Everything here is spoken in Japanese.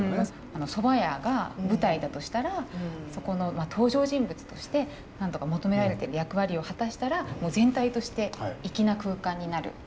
蕎麦屋が舞台だとしたらそこの登場人物としてなんとか求められてる役割を果たしたらもう全体として粋な空間になるというような感じじゃないですかね。